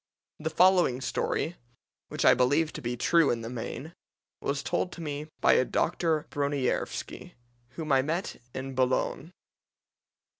The following story, which I believe to be true in the main, was told me by a Dr. Broniervski, whom I met in Boulogne.